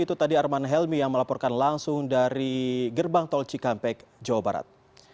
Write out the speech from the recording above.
itu tadi arman helmi yang melaporkan langsung dari gerbang tol cikampek jawa barat